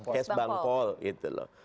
kes bank pol